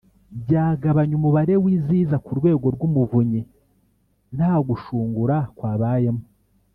byagabanya umubare w’iziza ku rwego rw’umuvunyi nta gushungura kwabayemo